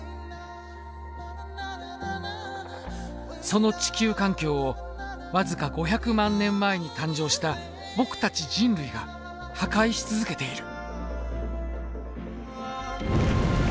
その地球環境を僅か５００万年前に誕生した僕たち人類が破壊し続けている。